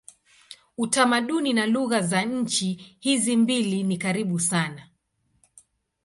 Utamaduni na lugha za nchi hizi mbili ni karibu sana.